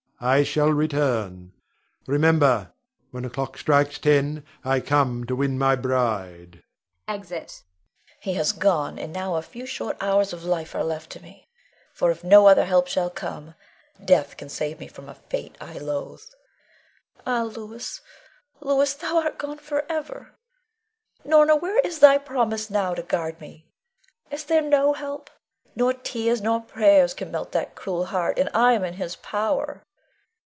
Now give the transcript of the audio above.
I shall return, remember, when the clock strikes ten, I come to win my bride. [Exit. Leonore. He has gone, and now a few short hours of life are left to me; for if no other help shall come, death can save me from a fate I loathe. Ah, Louis, Louis, thou art gone forever! Norna, where is thy promise now to guard me? Is there no help? Nor tears nor prayers can melt that cruel heart, and I am in his power.